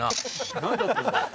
何だったんだ？